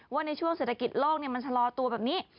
ว่าในช่วงเศรษฐกิจโลกมันชะลอตัวแบบนี้